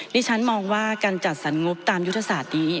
ดิฉันมองว่าการจัดสรรงบตามยุทธศาสตร์นี้